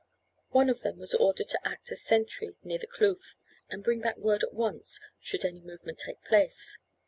One of them was ordered to act as sentry near the kloof, and bring back word at once should any movement take place.